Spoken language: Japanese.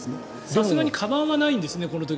さすがにかばんはないんですね